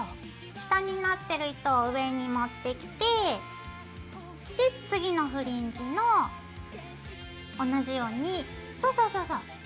下になってる糸を上に持ってきて次のフリンジの同じようにそうそうそうそう。